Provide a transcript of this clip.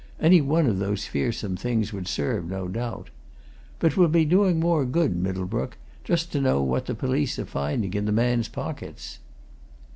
Any one of those fearsome things would serve, no doubt. But we'll be doing more good, Middlebrook, just to know what the police are finding in the man's pockets."